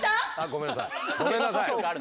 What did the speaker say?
ごめんなさい。